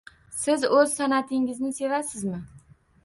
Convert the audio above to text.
Siz o‘z san’atingizni sevasizmi?